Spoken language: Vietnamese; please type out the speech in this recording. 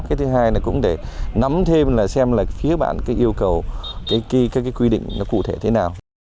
cái thứ hai là cũng để nắm thêm là xem là phía bạn cái yêu cầu các cái quy định nó cụ thể thế nào